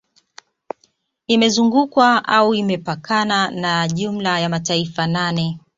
Imezungukwa au imepakana na jumla ya mataifa nane